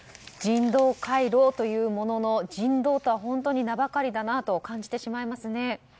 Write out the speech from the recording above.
人道回廊というものの人道とは本当に名ばかりだなと感じてしまいますね。